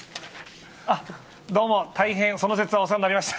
どうも、大変その節はお世話になりました。